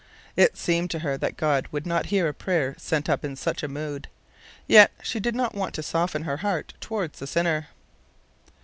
It seemed to her that God would not hear a prayer sent up in such a mood; yet she did not want to soften her heart toward the sinner.